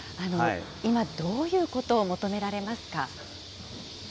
今、どういうことを求められますか？